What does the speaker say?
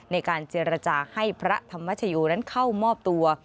ในการเจรจาให้พระธรรมชโยนั้นเข้ามอบตัว